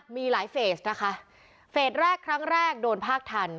มีหลายเฟสนะคะเฟสแรกครั้งแรกโดนภาคทัน